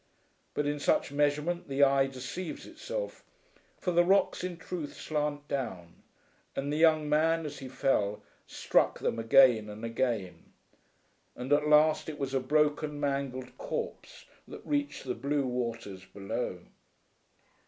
But in such measurement the eye deceives itself, for the rocks in truth slant down; and the young man, as he fell, struck them again and again; and at last it was a broken mangled corpse that reached the blue waters below.